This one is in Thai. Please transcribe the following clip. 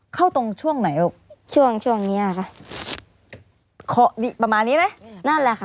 เข้าตรงช่วงไหนลูกช่วงช่วงเนี้ยค่ะเคาะประมาณนี้ไหมนั่นแหละค่ะ